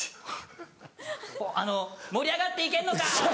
「盛り上がって行けんのか！」。